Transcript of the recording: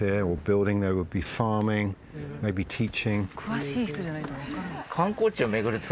詳しい人じゃないと分からない。